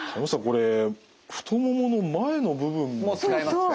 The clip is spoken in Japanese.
これ太ももの前の部分も使いますよね。